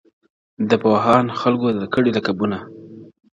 د پوهاند، خلکو درکړي لقبونه!.